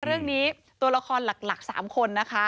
เรื่องนี้ตัวละครหลัก๓คนนะคะ